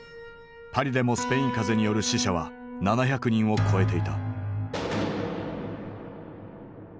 パリでもスペイン風邪による死者は７００人を超えていた。